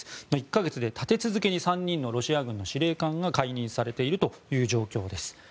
１か月で立て続けにロシアの司令官が解任されているという状況です。